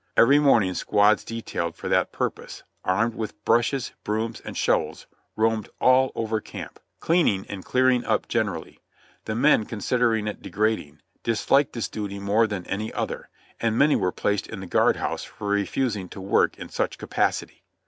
Every morning squads detailed for that purpose, armed with brushes, brooms and shovels, roamed all over camp, cleaning and clearing up generally; the men considering it degrading, dis liked this duty more than any other, and many were placed in the guard house for refusing to work in such capacity.